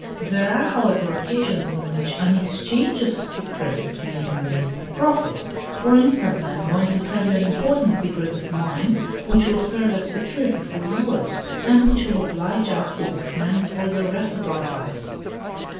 There are, however, occasions in which an EXCHANGE OF SECRETS may be made with profit. For instance, I am going to tell you an important secret of mine, which will serve as security for yours, and which will oblige us to be friends for the rest of our lives."